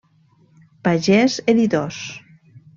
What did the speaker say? Pagès Editors.